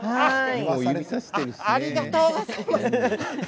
ありがとうございます。